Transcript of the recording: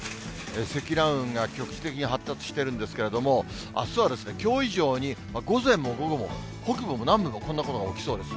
積乱雲が局地的に発達してるんですけれども、あすはきょう以上に午前も午後も、北部も南部もこんなことが起きそうです。